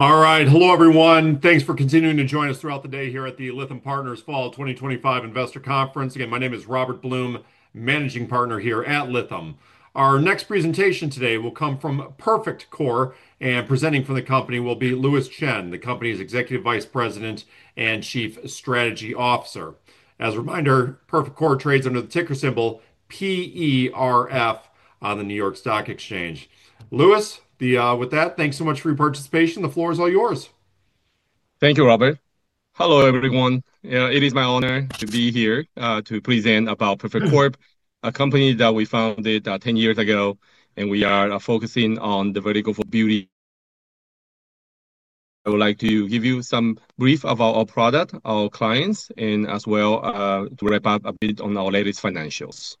All right, hello everyone. Thanks for continuing to join us throughout the day here at the Lytham Partners Fall 2025 Investor Conference. Again, my name is Robert Blum, Managing Partner here at Liytham. Our next presentation today will come from Perfect Corp, and presenting from the company will be Louis Chen, the company's Executive Vice President and Chief Strategy Officer. As a reminder, Perfect Corp trades under the ticker symbol PERF on the New York Stock Exchange. Lewis, with that, thanks so much for your participation. The floor is all yours. Thank you, Robert. Hello everyone. It is my honor to be here to present about Perfect Corp, a company that we founded 10 years ago, and we are focusing on the vertical for beauty. I would like to give you some brief about our product, our clients, and as well to wrap up a bit on our latest financials.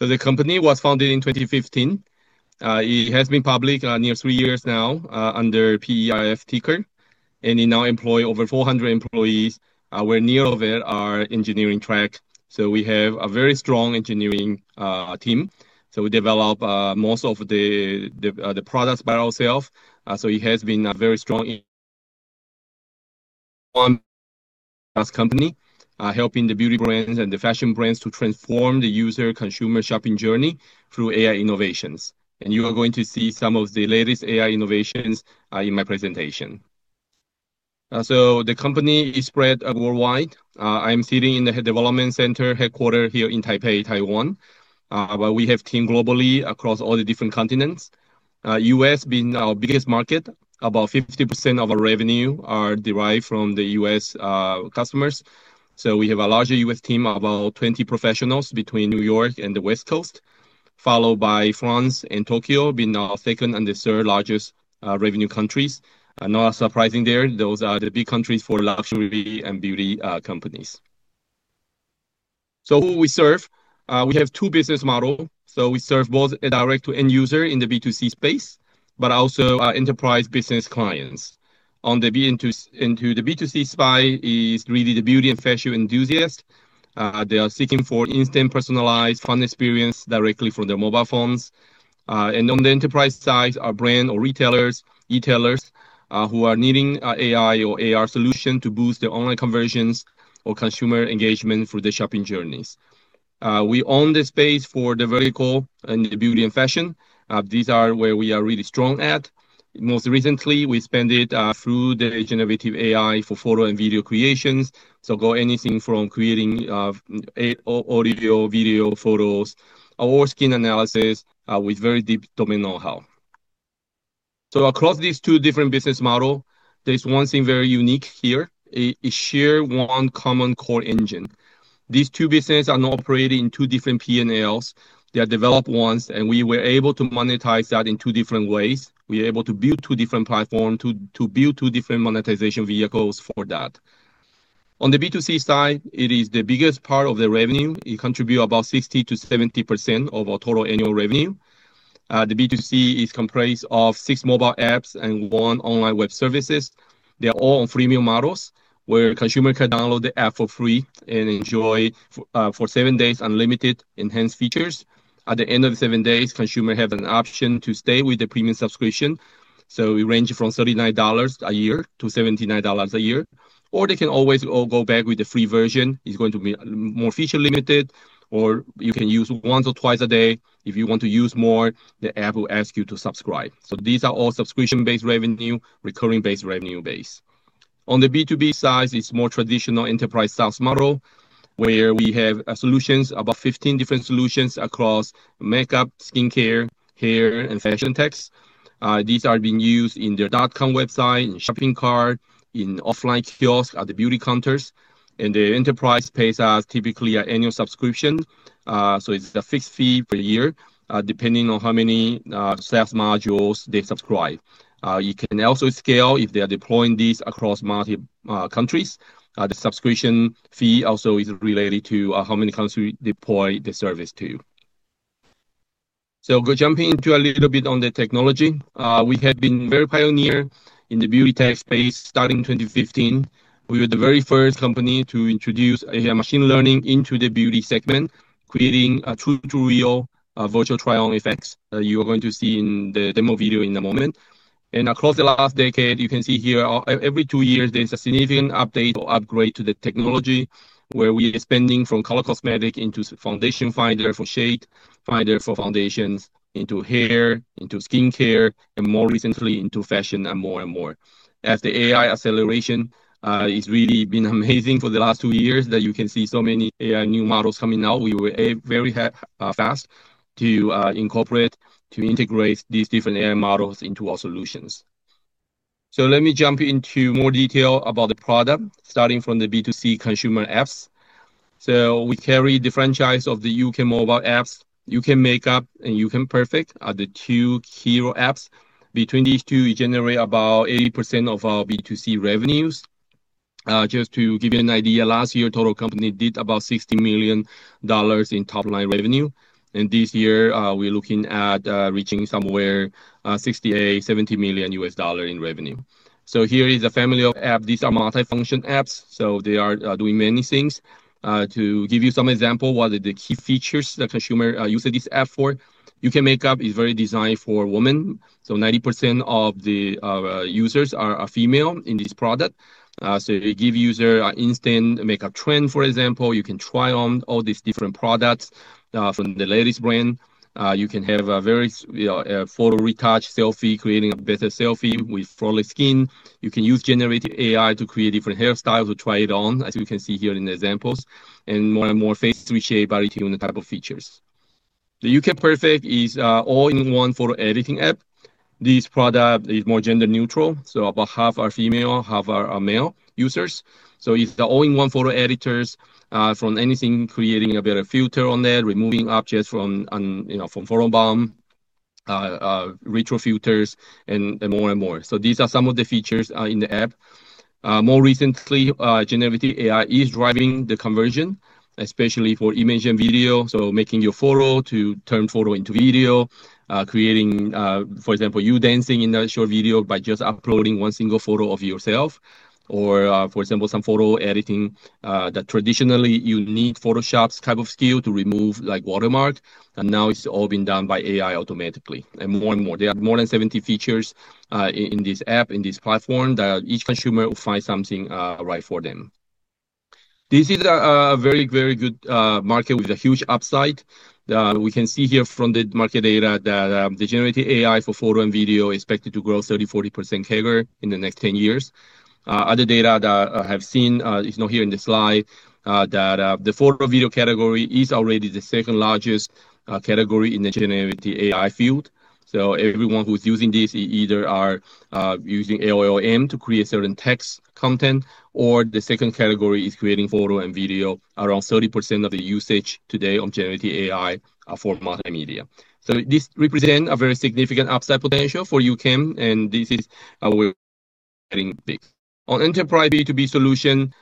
The company was founded in 2015. It has been public nearly three years now under PERF ticker, and it now employs over 400 employees, where nearly all of them are engineering track. We have a very strong engineering team. We develop most of the products by ourselves. It has been a very strong one company helping the beauty brands and the fashion brands to transform the user consumer shopping journey through AI innovations. You are going to see some of the latest AI innovations in my presentation. The company is spread worldwide. I'm sitting in the Head Development Center headquartered here in Taipei, Taiwan. We have teams globally across all the different continents. The U.S. has been our biggest market. About 50% of our revenue is derived from the U.S. customers. We have a larger U.S. team, about 20 professionals between New York and the West Coast, followed by France and Tokyo, being our second and the third largest revenue countries. Not surprising there, those are the big countries for luxury and beauty companies. Who we serve, we have two business models. We serve both a direct to end user in the B2C space, but also enterprise business clients. On the B2C space is really the beauty and fashion enthusiasts. They are seeking for instant personalized client experience directly from their mobile phones. On the enterprise side, our brand or retailers, retailers who are needing AI or AR solutions to boost their online conversions or consumer engagement through their shopping journeys. We own the space for the vertical and the beauty and fashion. These are where we are really strong at. Most recently, we spent it through the generative AI for photo and video creations. Go anything from creating audio/video photos or skin analysis with very deep domain know-how. Across these two different business models, there's one thing very unique here. It shares one common core engine. These two businesses are not operating in two different P&Ls. They are developed once, and we were able to monetize that in two different ways. We were able to build two different platforms to build two different monetization vehicles for that. On the B2C side, it is the biggest part of the revenue. It contributes about 60%-70% of our total annual revenue. The B2C is comprised of six mobile apps and one online web service. They're all on freemium models where consumers can download the app for free and enjoy for seven days unlimited enhanced features. At the end of the seven days, consumers have an option to stay with the premium subscription. We range from $39 a year to $79 a year, or they can always go back with the free version. It's going to be more feature limited, or you can use once or twice a day. If you want to use more, the app will ask you to subscribe. These are all subscription-based revenue, recurring-based revenue based. On the B2B side, it's a more traditional enterprise SaaS model where we have solutions, about 15 different solutions across makeup, skincare, hair, and fashion tech. These are being used in their dot-com website, in shopping carts, in offline kiosks at the beauty counters. The enterprise pays us typically an annual subscription. It's a fixed fee per year, depending on how many SaaS modules they subscribe. You can also scale if they are deploying these across multiple countries. The subscription fee also is related to how many countries they deploy the service to. Jumping into a little bit on the technology, we have been very pioneering in the beauty tech space starting in 2015. We were the very first company to introduce AI machine learning into the beauty segment, creating a tutorial virtual try-on effect that you are going to see in the demo video in a moment. Across the last decade, you can see here every two years there's a significant update or upgrade to the technology where we are expanding from color cosmetics into foundation finder for shade, finder for foundations, into hair, into skincare, and more recently into fashion and more and more. As the AI acceleration has really been amazing for the last two years that you can see so many AI new models coming out, we were very fast to incorporate, to integrate these different AI models into our solutions. Let me jump into more detail about the product, starting from the B2C consumer apps. We carry the franchise of the YouCam mobile apps, YouCam Makeup and YouCam Perfect, are the two hero apps. Between these two, we generate about 80% of our B2C revenues. Just to give you an idea, last year the total company did about $60 million in top-line revenue. This year we're looking at reaching somewhere $68 million-$70 million US dollars in revenue. Here is a family of apps. These are multi-function apps. They are doing many things. To give you some examples, what are the key features that consumers use this app for? YouCam Makeup is very designed for women. 90% of the users are female in this product. It gives users instant makeup trends. For example, you can try on all these different products from the latest brand. You can have a very photo retouch selfie, creating a better selfie with flawless skin. You can use generative AI to create different hairstyles to try it on, as you can see here in the examples. More and more faces to shape by tuning the type of features. YouCam Perfect is an all-in-one photo editing app. This product is more gender neutral. About half are female, half are male users. It's the all-in-one photo editors from anything, creating a better filter on that, removing objects from photobomb, retro filters, and more and more. These are some of the features in the app. More recently, generative AI is driving the conversion, especially for image and video. Making your photo to turn photo into video, creating, for example, you dancing in a short video by just uploading one single photo of yourself, or for example, some photo editing that traditionally you need Photoshop's type of skill to remove like watermarks. Now it's all been done by AI automatically. More and more. There are more than 70 features in this app, in this platform that each consumer will find something right for them. This is a very, very good market with a huge upside. We can see here from the market data that the generative AI for photo and video is expected to grow 30%-40% in the next 10 years. Other data that I have seen is not here in the slide, that the photo video category is already the second largest category in the generative AI field. Everyone who's using this either is using AI to create certain text content, or the second category is creating photo and video, around 30% of the usage today of generative AI for multimedia. This represents a very significant upside potential for YouCam, and this is what we're getting big. On enterprise B2B solutions,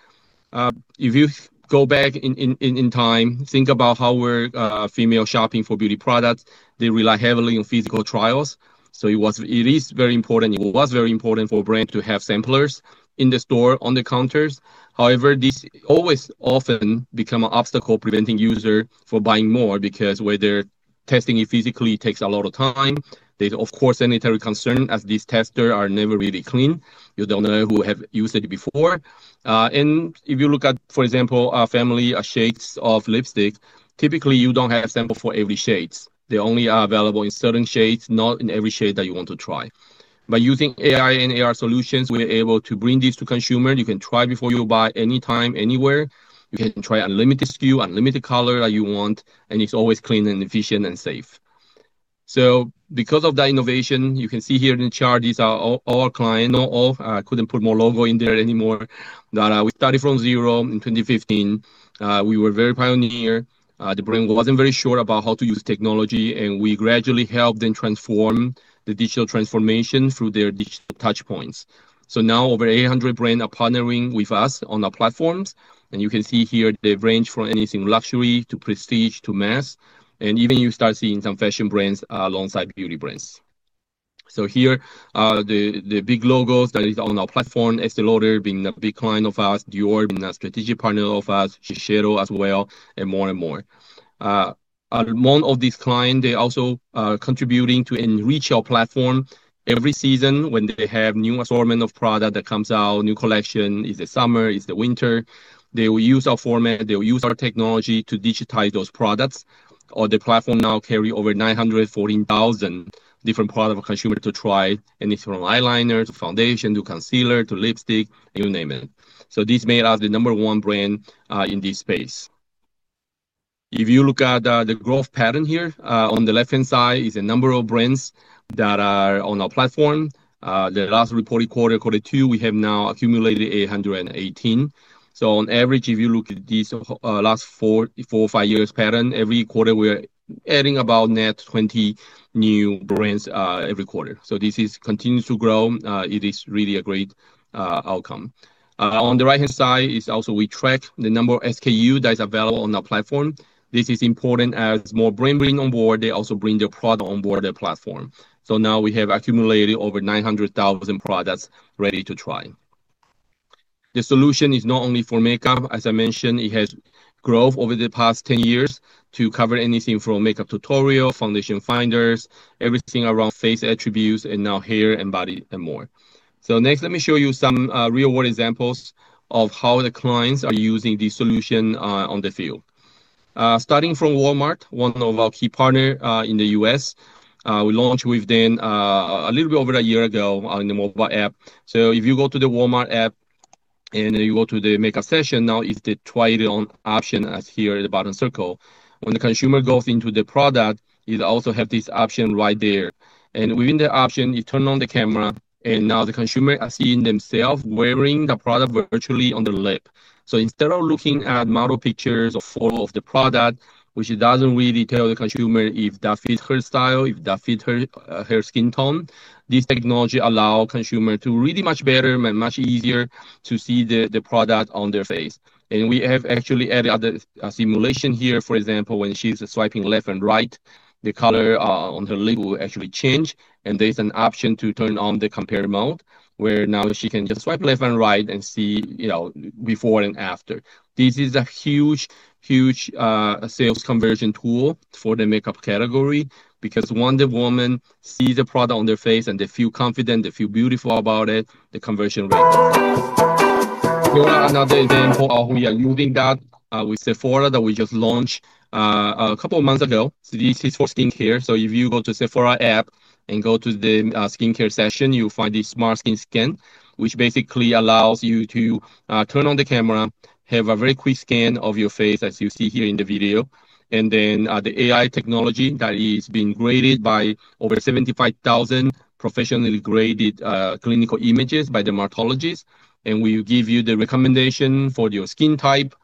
if you go back in time, think about how we're female shopping for beauty products. They rely heavily on physical trials. It is very important, it was very important for brands to have samplers in the store on the counters. However, this always often becomes an obstacle preventing users from buying more because when they're testing it physically, it takes a lot of time. There's, of course, sanitary concerns as these testers are never really clean. You don't know who has used it before. If you look at, for example, family shades of lipsticks, typically you don't have samples for every shade. They only are available in certain shades, not in every shade that you want to try. By using AI and AR solutions, we're able to bring this to consumers. You can try before you buy anytime, anywhere. You can try unlimited skin, unlimited color that you want, and it's always clean and efficient and safe. Because of that innovation, you can see here in the chart, these are all our clients. Not all, I couldn't put more logos in there anymore. We started from zero in 2015. We were very pioneer. The brand wasn't very sure about how to use technology, and we gradually helped them transform the digital transformation through their digital touchpoints. Now over 800 brands are partnering with us on our platforms, and you can see here they range from anything luxury to prestige to mass. Even you start seeing some fashion brands alongside beauty brands. Here are the big logos that are on our platform. Estée Lauder being a big client of us, Dior being a strategic partner of us, Shiseido as well, and more and more. Among all these clients, they're also contributing to enrich our platform. Every season when they have a new assortment of products that comes out, new collection, it's the summer, it's the winter, they will use our format, they will use our technology to digitize those products. The platform now carries over 914,000 different products for consumers to try, anything from eyeliner to foundation to concealer to lipstick, and you name it. This made us the number one brand in this space. If you look at the growth pattern here on the left-hand side, it's the number of brands that are on our platform. The last reported quarter, quarter two, we have now accumulated 818. On average, if you look at this last four or five years pattern, every quarter we're adding about 20 new brands every quarter. This continues to grow. It is really a great outcome. On the right-hand side, we track the number of SKUs that are available on our platform. This is important as more brands bring on board, they also bring their product on board their platform. Now we have accumulated over 900,000 products ready to try. The solution is not only for makeup. As I mentioned, it has grown over the past 10 years to cover anything from makeup tutorials, foundation finders, everything around face attributes, and now hair and body and more. Next, let me show you some real-world examples of how the clients are using this solution in the field. Starting from Walmart, one of our key partners in the U.S., we launched with them a little bit over a year ago in the mobile app. If you go to the Walmart app and you go to the makeup section, now it's the try-it-on option as here in the bottom circle. When the consumer goes into the product, it also has this option right there. Within the option, you turn on the camera, and now the consumer is seeing themselves wearing the product virtually on their lip. Instead of looking at model pictures or photos of the product, which doesn't really tell the consumer if that fits her style, if that fits her skin tone, this technology allows consumers to read much better and much easier to see the product on their face. We have actually added a simulation here. For example, when she's swiping left and right, the color on her lip will actually change. There's an option to turn on the compare mode, where now she can just swipe left and right and see before and after. This is a huge, huge sales conversion tool for the makeup category because once the woman sees the product on their face and they feel confident, they feel beautiful about it, the conversion rate. For another example of how we are using that, with Sephora that we just launched a couple of months ago, this is for skincare. If you go to the Sephora app and go to the skincare section, you'll find the Smart Skin Scan, which basically allows you to turn on the camera, have a very quick scan of your face, as you see here in the video. The AI technology that is being graded by over 75,000 professionally graded clinical images by dermatologists, and we give you the recommendation for your skin type.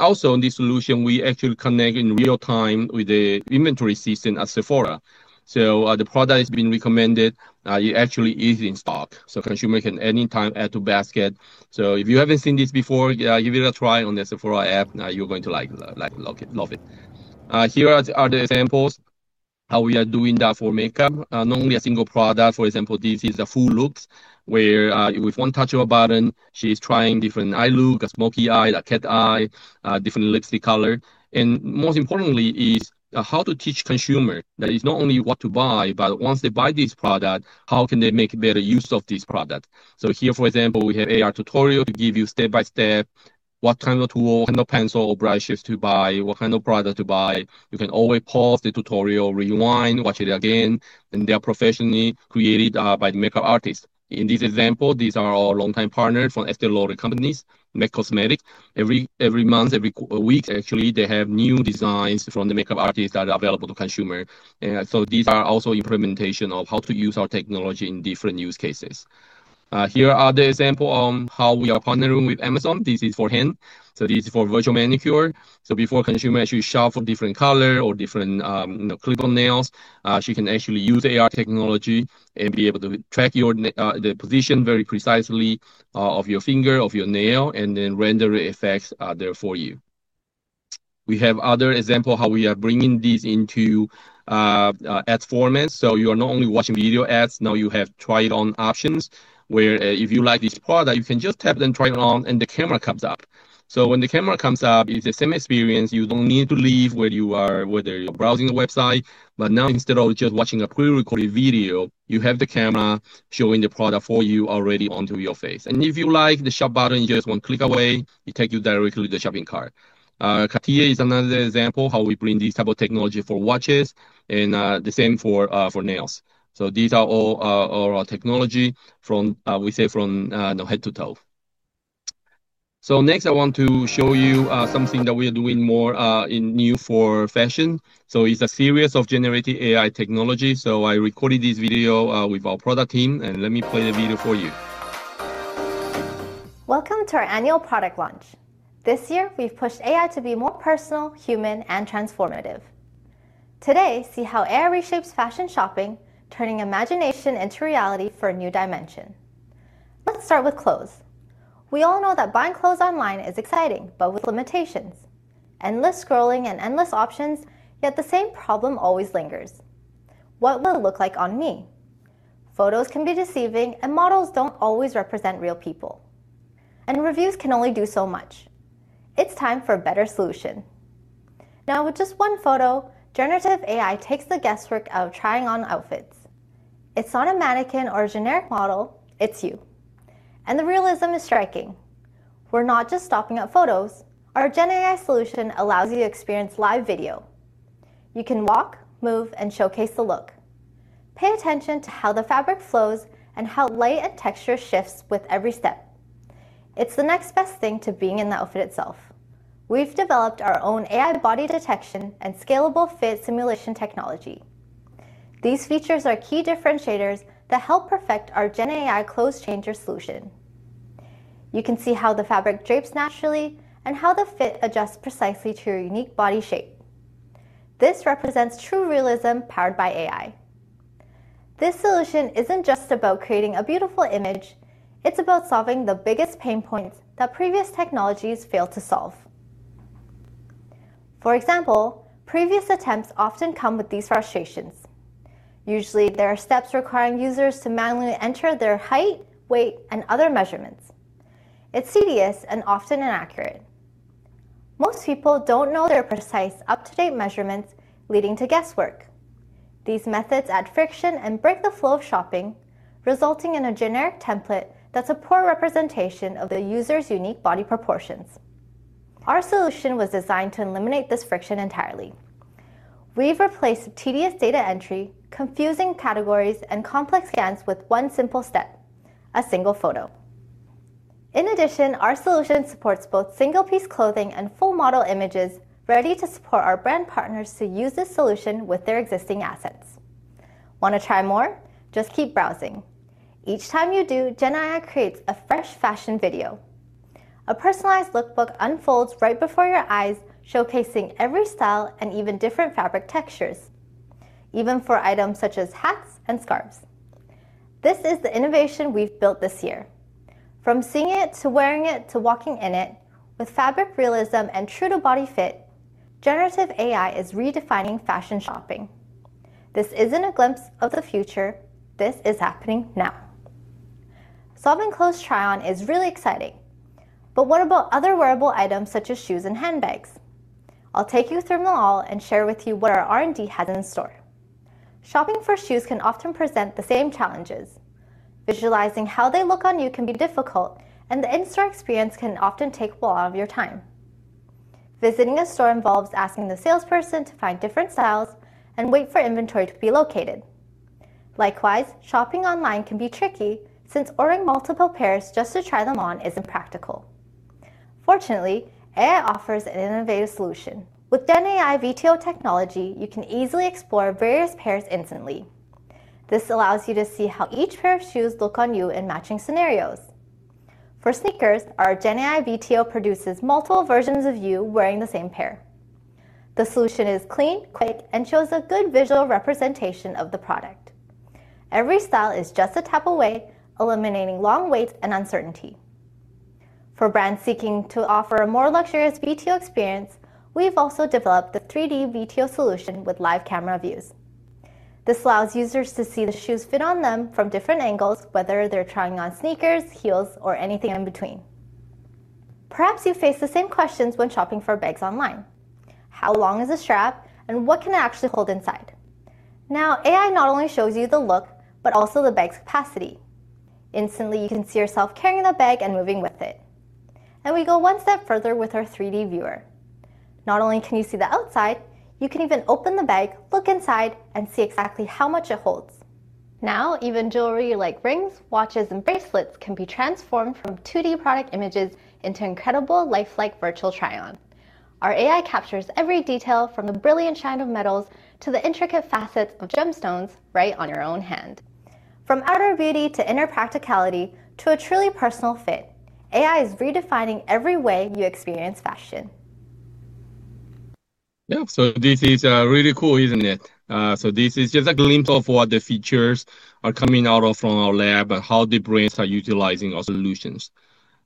Also in this solution, we actually connect in real time with the inventory system at Sephora. The product has been recommended. It actually is in stock. Consumers can anytime add to basket. If you haven't seen this before, give it a try on the Sephora app. You're going to like it. Love it. Here are the examples of how we are doing that for makeup. Not only a single product. For example, this is a full look where with one touch of a button, she's trying different eye looks, a smokey eye, a cat eye, different lipstick color. Most importantly is how to teach consumers that it's not only what to buy, but once they buy this product, how can they make better use of this product. Here, for example, we have an AR tutorial to give you step by step what kind of tool, kind of pencil or brushes to buy, what kind of product to buy. You can always pause the tutorial, rewind, watch it again. They are professionally created by the makeup artists. In this example, these are our longtime partners from Estée Lauder Companies, M·A·C Cosmetics. Every month, every week, actually, they have new designs from the makeup artists that are available to consumers. These are also implementations of how to use our technology in different use cases. Here are the examples of how we are partnering with Amazon. This is for hand. This is for virtual manicure. Before a consumer actually shops for different colors or different clip-on nails, she can actually use AR technology and be able to track the position very precisely of your finger, of your nail, and then render the effects there for you. We have other examples of how we are bringing these into ad formats. You are not only watching video ads, now you have try-it-on options where if you like this product, you can just tap it and try it on, and the camera comes up. When the camera comes up, it's the same experience. You don't need to leave where you are, whether you're browsing a website, but now instead of just watching a pre-recorded video, you have the camera showing the product for you already onto your face. If you like the shop button, you just want to click away, it takes you directly to the shopping cart. Cartier is another example of how we bring this type of technology for watches and the same for nails. These are all our technology, we say, from head to toe. Next, I want to show you something that we are doing more new for fashion. It's a series of generative AI technologies. I recorded this video with our product team, and let me play the video for you. Welcome to our annual product launch. This year, we've pushed AI to be more personal, human, and transformative. Today, see how AI reshapes fashion shopping, turning imagination into reality for a new dimension. Let's start with clothes. We all know that buying clothes online is exciting, but with limitations. Endless scrolling and endless options, yet the same problem always lingers. What will it look like on me? Photos can be deceiving, and models don't always represent real people. Reviews can only do so much. It's time for a better solution. Now, with just one photo, generative AI takes the guesswork out of trying on outfits. It's not a mannequin or a generic model. It's you. The realism is striking. We're not just stopping at photos. Our GenAI solution allows you to experience live video. You can walk, move, and showcase the look. Pay attention to how the fabric flows and how light and texture shift with every step. It's the next best thing to being in the outfit itself. We've developed our own AI body detection and scalable fit simulation technology. These features are key differentiators that help perfect our GenAI clothes changer solution. You can see how the fabric drapes naturally and how the fit adjusts precisely to your unique body shape. This represents true realism powered by AI. This solution isn't just about creating a beautiful image. It's about solving the biggest pain points that previous technologies failed to solve. For example, previous attempts often come with these frustrations. Usually, there are steps requiring users to manually enter their height, weight, and other measurements. It's tedious and often inaccurate. Most people don't know their precise up-to-date measurements, leading to guesswork. These methods add friction and break the flow of shopping, resulting in a generic template that's a poor representation of the user's unique body proportions. Our solution was designed to eliminate this friction entirely. We've replaced tedious data entry, confusing categories, and complex scans with one simple step, a single photo. In addition, our solution supports both single-piece clothing and full model images ready to support our brand partners to use this solution with their existing assets. Want to try more? Just keep browsing. Each time you do, GenAI creates a fresh fashion video. A personalized lookbook unfolds right before your eyes, showcasing every style and even different fabric textures, even for items such as hats and scarves. This is the innovation we've built this year. From seeing it to wearing it to walking in it, with fabric realism and true-to-body fit, generative AI is redefining fashion shopping. This isn't a glimpse of the future. This is happening now. Solving clothes try-on is really exciting. What about other wearable items such as shoes and handbags? I'll take you through them all and share with you what our R&D has in store. Shopping for shoes can often present the same challenges. Visualizing how they look on you can be difficult, and the in-store experience can often take a lot of your time. Visiting a store involves asking the salesperson to find different styles and wait for inventory to be located. Likewise, shopping online can be tricky since ordering multiple pairs just to try them on isn't practical. Fortunately, AI offers an innovative solution. With GenAI VTO technology, you can easily explore various pairs instantly. This allows you to see how each pair of shoes looks on you in matching scenarios. For sneakers, our GenAI VTO produces multiple versions of you wearing the same pair. The solution is clean, quick, and shows a good visual representation of the product. Every style is just a tap away, eliminating long waits and uncertainty. For brands seeking to offer a more luxurious VTO experience, we've also developed the 3D VTO solution with live camera views. This allows users to see the shoes fit on them from different angles, whether they're trying on sneakers, heels, or anything in between. Perhaps you face the same questions when shopping for bags online. How long is a strap, and what can I actually hold inside? Now, AI not only shows you the look, but also the bag's capacity. Instantly, you can see yourself carrying the bag and moving with it. We go one step further with our 3D viewer. Not only can you see the outside, you can even open the bag, look inside, and see exactly how much it holds. Now, even jewelry like rings, watches, and bracelets can be transformed from 2D product images into incredible lifelike virtual try-on. Our AI captures every detail from the brilliant shine of metals to the intricate facets of gemstones right on your own hand. From outer beauty to inner practicality to a truly personal fit, AI is redefining every way you experience fashion. Yeah, so this is really cool, isn't it? This is just a glimpse of what the features are coming out of our lab and how the brands are utilizing our solutions.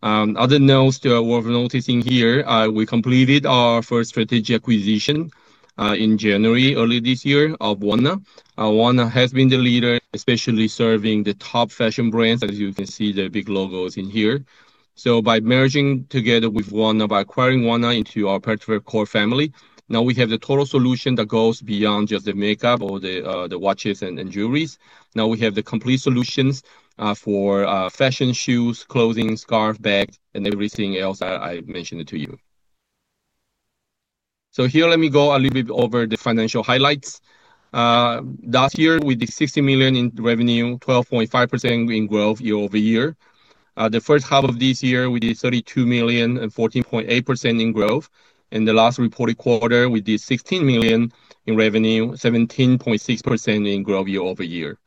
Other notes that we're noticing here, we completed our first strategic acquisition in January, early this year, of WANNA. WANNA has been the leader, especially serving the top fashion brands, as you can see the big logos in here. By merging together with WANNA, by acquiring WANNA into our Perfect Corp family, now we have the total solution that goes beyond just the makeup or the watches and jewelry. Now we have the complete solutions for fashion shoes, clothing, scarves, bags, and everything else I mentioned to you. Let me go a little bit over the financial highlights. Last year, we did $60 million in revenue, 12.5% in growth year-over-year. The first half of this year, we did $32 million and 14.8% in growth. The last reported quarter, we did $16 million in revenue, 17.6% in growth year-over-year.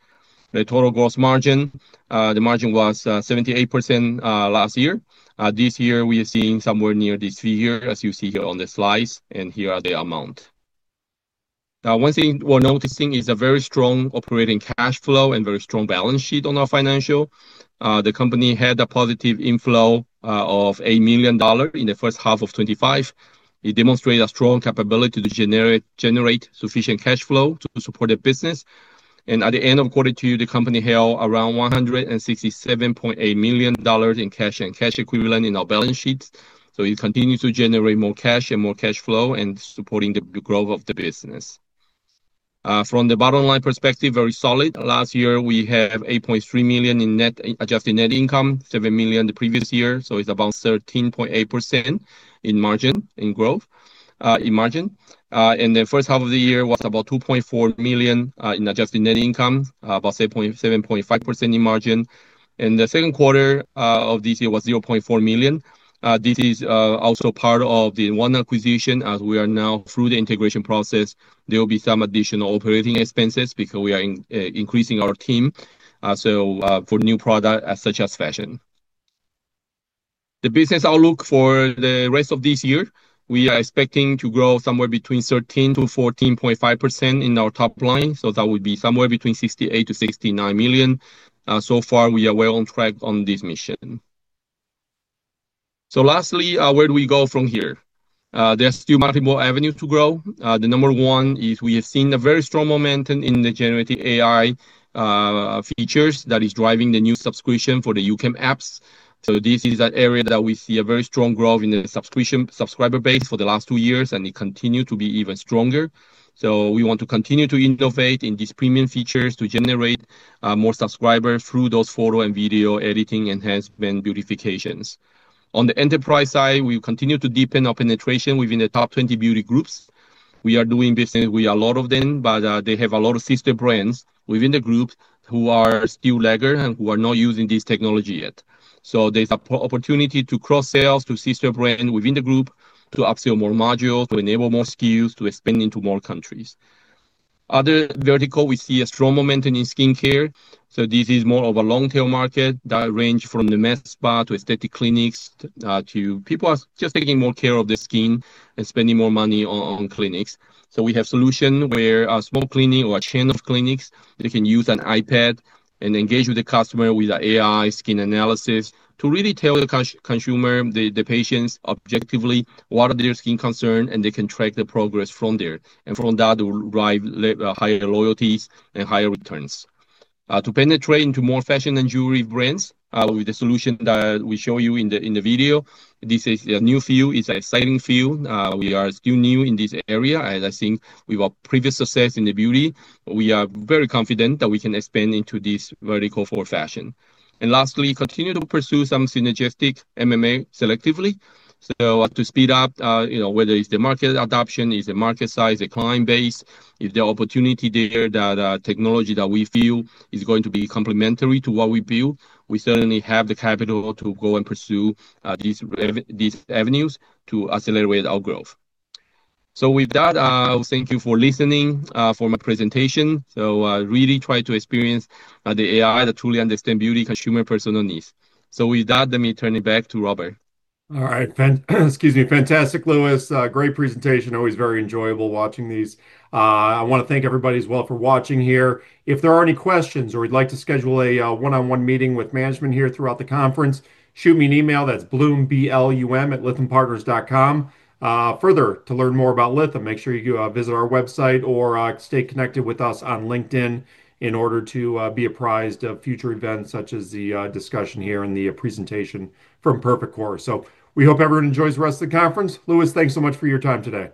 The total gross margin, the margin was 78% last year. This year, we are seeing somewhere near this figure, as you see here on the slides, and here are the amounts. One thing we're noticing is a very strong operating cash flow and very strong balance sheet on our financials. The company had a positive inflow of $8 million in the first half of 2025. It demonstrated a strong capability to generate sufficient cash flow to support the business. At the end of quarter two, the company held around $167.8 million in cash and cash equivalent in our balance sheets. It continues to generate more cash and more cash flow and supporting the growth of the business. From the bottom line perspective, very solid. Last year, we had $8.3 million in net adjusted net income, $7 million the previous year. It's about 13.8% in margin in growth. The first half of the year was about $2.4 million in adjusted net income, about 7.5% in margin. The second quarter of this year was $0.4 million. This is also part of the WANNA acquisition. As we are now through the integration process, there will be some additional operating expenses because we are increasing our team for new products such as fashion. The business outlook for the rest of this year, we are expecting to grow somewhere between 13%-14.5% in our top line. That would be somewhere between $68-$69 million. So far, we are well on track on this mission. Lastly, where do we go from here? There's still multiple avenues to grow. Number one is we have seen a very strong momentum in the generative AI features that is driving the new subscription for the YouCam apps. This is an area that we see a very strong growth in the subscriber base for the last two years, and it continues to be even stronger. We want to continue to innovate in these premium features to generate more subscribers through those photo and video editing enhancement beautifications. On the enterprise side, we continue to deepen our penetration within the top 20 beauty groups. We are doing business with a lot of them, but they have a lot of sister brands within the group who are still lagging and who are not using this technology yet. There's an opportunity to cross-sell to sister brands within the group, to upsell more modules, to enable more skills, to expand into more countries. Other verticals, we see a strong momentum in skincare. This is more of a long-tail market that ranges from the mass spa to aesthetic clinics to people who are just taking more care of the skin and spending more money on clinics. We have solutions where a small clinic or a chain of clinics, they can use an iPad and engage with the customer with an AI skin analysis to really tell the consumer, the patients, objectively what are their skin concerns, and they can track the progress from there. From that, they will drive higher loyalties and higher returns. To penetrate into more fashion and jewelry brands with the solution that we show you in the video, this is a new field, it's an exciting field. We are still new in this area. As I think with our previous success in the beauty, we are very confident that we can expand into this vertical for fashion. Lastly, continue to pursue some synergistic M&A selectively. To speed up, whether it's the market adoption, it's the market size, the client base, is there opportunity there that technology that we feel is going to be complementary to what we build, we certainly have the capital to go and pursue these avenues to accelerate our growth. With that, I thank you for listening for my presentation. Really try to experience the AI that truly understands beauty consumer personal needs. With that, let me turn it back to Robert. All right, excuse me. Fantastic, Louis. Great presentation, always very enjoyable watching these. I want to thank everybody as well for watching here. If there are any questions or you'd like to schedule a one-on-one meeting with management here throughout the conference, shoot me an email. That's blum@lythampartners.com. Further, to learn more about Lytham, make sure you visit our website or stay connected with us on LinkedIn in order to be apprised of future events such as the discussion here and the presentation from Perfect Corp. We hope everyone enjoys the rest of the conference. Louis, thanks so much for your time today.